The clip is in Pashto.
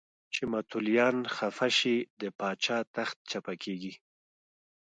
چې متولیان خفه شي د پاچا تخت چپه کېږي.